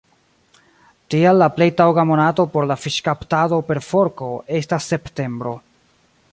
Tial la plej taŭga monato por la fiŝkaptado per forko estas septembro.